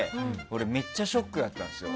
俺、めっちゃショックだったんですよ。